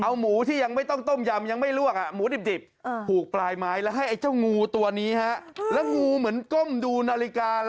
ไอ้มนุษย์ภูพเบอร์